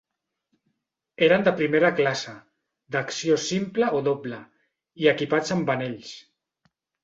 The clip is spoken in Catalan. Eren de primera classe, d'acció simple o doble, i equipats amb anells.